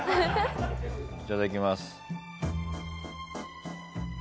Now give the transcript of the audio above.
いただきます。